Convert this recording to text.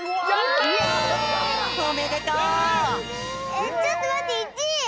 えっちょっとまって１い！